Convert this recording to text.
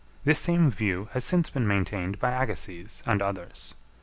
This same view has since been maintained by Agassiz and others.